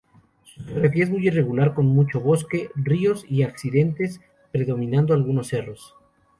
Su geografía es muy irregular con mucho bosque, ríos y accidentes, predominando algunos cerros.